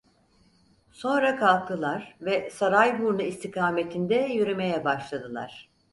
Sonra kalktılar ve Sarayburnu istikametinde yürümeye başladılar.